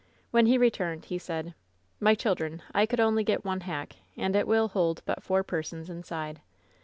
When he returned, he said: "My children, I could only get one hack, and it will hold but four persons inside.